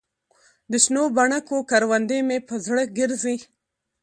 دشنو بنګو کروندې مې په زړه ګرځي